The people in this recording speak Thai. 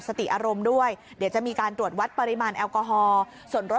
สติอารมณ์ด้วยเดี๋ยวจะมีการตรวจวัดปริมาณแอลกอฮอล์ส่วนรถ